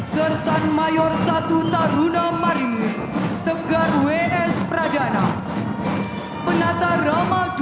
sersan mayor satu taruna pelaut reva chandra